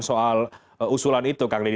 soal usulan itu kang deddy